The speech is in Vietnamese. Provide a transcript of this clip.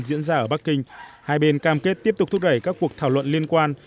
diễn ra ở bắc kinh hai bên cam kết tiếp tục thúc đẩy các cuộc thảo luận liên quan